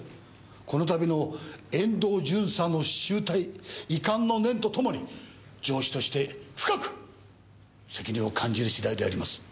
このたびの遠藤巡査の醜態遺憾の念とともに上司として深く責任を感じる次第であります。